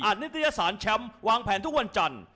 นิตยสารแชมป์วางแผนทุกวันจันทร์